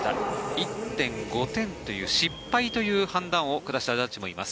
１．５点という失敗という判断を下したジャッジもいます。